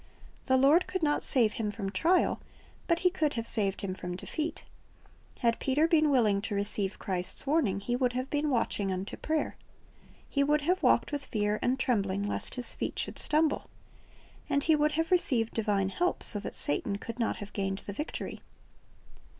The Lord could not save him from trial, but He could have saved him from defeat. Had Peter been willing to receive Christ's warning, he would have been watching unto prayer. He would have walked with fear and trembling lest his feet should stumble. And he would have received divine help, so that Satan could not have gained the victory.